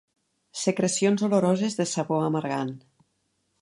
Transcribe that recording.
Secrecions oloroses de sabor amargant.